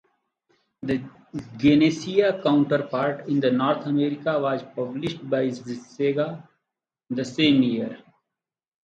Its Genesis counterpart in North America was published by Sega the same year.